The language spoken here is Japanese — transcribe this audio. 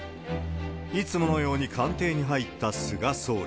いつものように官邸に入った菅総理。